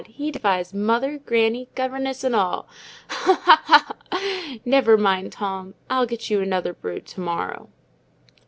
he defies mother, granny, governess, and all! Ha, ha, ha! Never mind, Tom, I'll get you another brood to morrow."